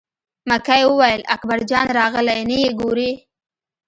مکۍ وویل: اکبر جان راغلی نه یې ګورې.